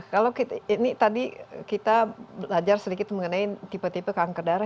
kalau ini tadi kita belajar sedikit mengenai tipe tipe kanker darah